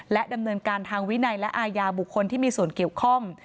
ดำเนินการทางวินัยและอาญาบุคคลที่มีส่วนเกี่ยวข้อง